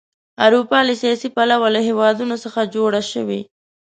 اروپا له سیاسي پلوه له هېوادونو څخه جوړه شوې.